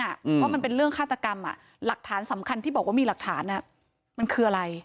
เพราะมันเป็นเรื่องฆาตกรรมหลักฐานสำคัญที่บอกว่ามีหลักฐานมันคืออะไร